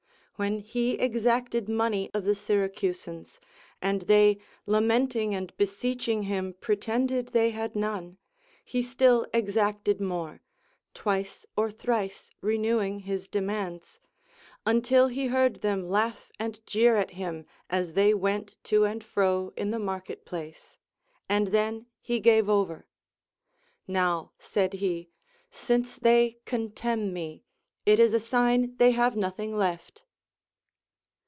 When he exacted money of the Syracusans, and they lamenting and beseeching him pretended they had none, he still exacted more, twice or thrice renewing his demands, until he heard them laugh and jeer at him as they went to and fro in the market place, and then he gave over. Now, said he, since they contemn me. it is a sign they have nothing left.